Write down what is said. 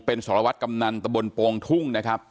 เป็นสรวัสดิ์กำนานตะบลโปรงทุ่ง